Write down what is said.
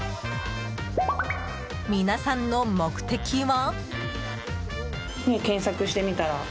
皆さんの目的は？